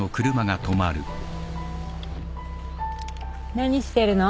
何してるの？